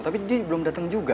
tapi dia dia belum dateng juga